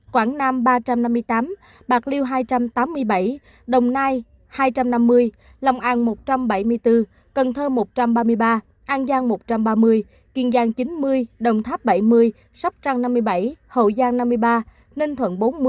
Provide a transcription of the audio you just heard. quảng nam một ba trăm năm mươi tám bạc liêu một hai trăm tám mươi bảy đồng nai một hai trăm năm mươi lòng an một một trăm bảy mươi bốn cần thơ một một trăm ba mươi ba an giang một một trăm ba mươi kiên giang một chín mươi đồng tháp một bảy mươi sắp trăng một năm mươi bảy hậu giang một năm mươi ba ninh thuận một bốn mươi